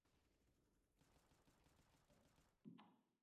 The entire structure was to be illuminated by electric light.